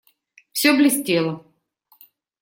Всё блестело.